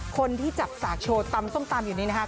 คนที่จับสากโชว์ตำส้มตำอยู่นี้นะครับ